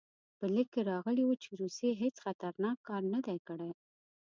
په لیک کې راغلي وو چې روسیې هېڅ خطرناک کار نه دی کړی.